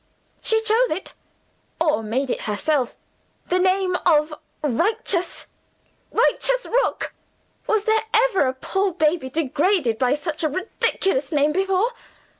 She chose it, or made it, herself the name of 'Righteous'! Righteous Rook! Was there ever a poor baby degraded by such a ridiculous name before?